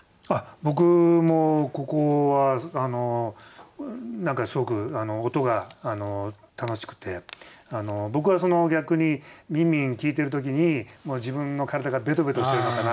僕もここは何かすごく音が楽しくて僕はその逆にみんみん聞いてる時に自分の体がべとべとしてるのかな？